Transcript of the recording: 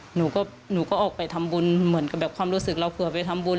หนูก็ออกไปทำบุญเหมือนกับแบบความรู้สึกเราเผื่อไปทำบุญ